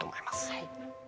はい。